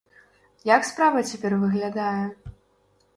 Як справа цяпер выглядае?